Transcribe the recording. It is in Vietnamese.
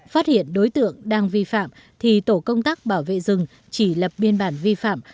phát hiện đối tượng đang vi phạm thì tổ công tác bảo vệ rừng chỉ lập biên bản vi phạm